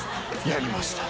やりました。